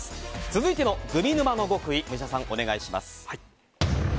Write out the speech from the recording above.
続いてのグミ沼の極意武者さん、お願いします。